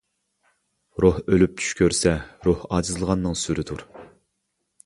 روھ ئۆلۈپ چۈش كۆرسە روھ ئاجىزلىغاننىڭ سۈرىدۇر.